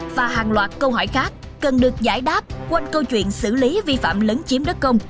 và hàng loạt câu hỏi khác cần được giải đáp quanh câu chuyện xử lý vi phạm lấn chiếm đất công